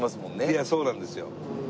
いやそうなんですよ。